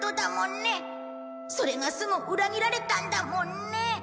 それがすぐ裏切られたんだもんね